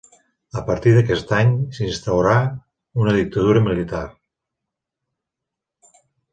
A partir d’aquest any, s’instaurà una dictadura militar.